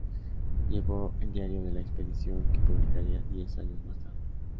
Llevó el diario de la expedición, que publicaría diez años más tarde.